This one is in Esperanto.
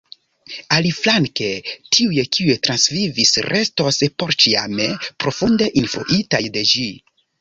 Aliflanke, tiuj kiuj transvivis restos porĉiame profunde influitaj de ĝi.